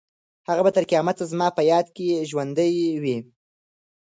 هغه به تر قیامته زما په یاد کې ژوندۍ وي.